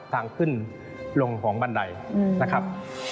ทางขึ้นลงของบันไดนะครับ